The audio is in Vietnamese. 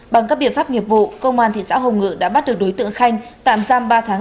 bằng các biện pháp nghiệp vụ công an thị xã hồng ngự đã bắt được đối tượng khanh tạm giam ba tháng